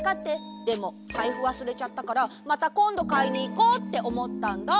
でもさいふわすれちゃったからまたこんどかいにいこうっておもったんだ。